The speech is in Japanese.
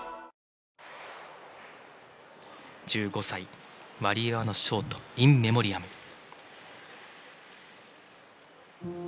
１５歳ワリエワのショート「イン・メモリアム」。